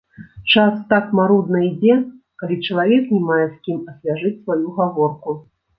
Час так марудна ідзе, калі чалавек не мае з кім асвяжыць сваю гаворку.